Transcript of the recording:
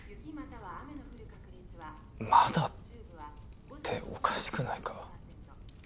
まだっておかしくないか？